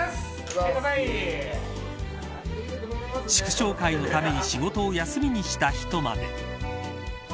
祝勝会のために仕事を休みにした人まで。